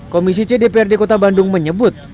komisi cdprd kota bandung menyebut